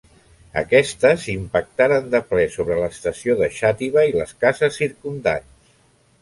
Aquestes impactaren de ple sobre l'estació de Xàtiva i les cases circumdants.